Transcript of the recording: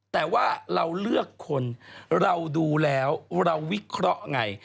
แต่ว่าเราเลือกคนเราดูแล้วเราวิเคราะห์ไง